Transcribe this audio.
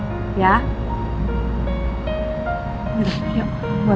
ya udah yaudah